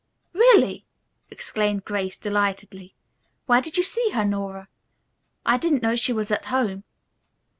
"Really!" exclaimed Grace delightedly. "Where did you see her, Nora? I didn't know she was at home."